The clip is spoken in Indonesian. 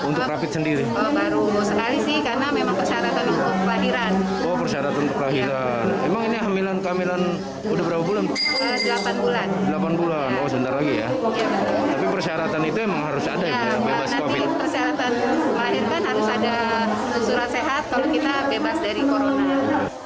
nah nanti persyaratan melalirkan harus ada surat sehat kalau kita bebas dari covid sembilan belas